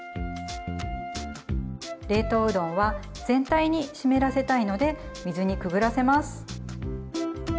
冷凍うどんは全体に湿らせたいので水にくぐらせます。